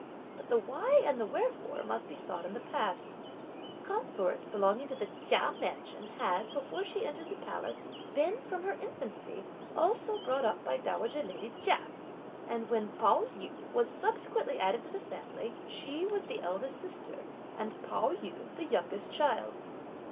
But the why and the wherefore must be sought in the past. The consort, belonging to the Chia mansion, had, before she entered the palace, been, from her infancy, also brought up by dowager lady Chia; and when Pao yü was subsequently added to the family, she was the eldest sister and Pao yü the youngest child.